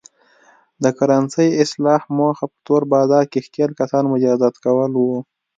د کرنسۍ اصلاح موخه په تور بازار کې ښکېل کسان مجازات کول و.